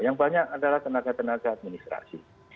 yang banyak adalah tenaga tenaga administrasi